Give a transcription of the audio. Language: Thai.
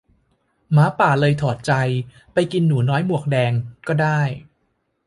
หมาป่าเลยถอดใจ ไปกินหนูน้อยหมวกแดงก็ได้